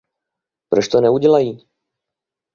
Proč to neudělají?